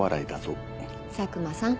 佐久間さん。